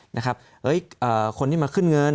เฮ้ยคนที่มาขึ้นเงิน